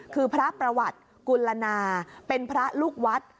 คือพระประวัติกุลนาเป็นพระลูกวัด